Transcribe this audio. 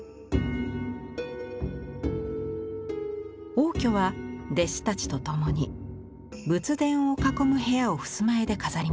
応挙は弟子たちと共に仏殿を囲む部屋を襖絵で飾りました。